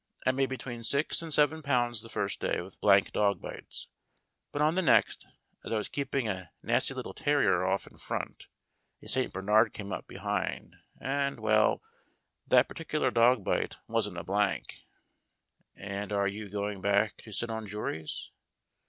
I made between six and seven pounds the first day with blank dog bites. But on the next, as I was keeping a nasty little terrier off in front, a St. Bernard came up behind and well, that particular dog bite wasn't a blank." "And are you going back to sit on juries?"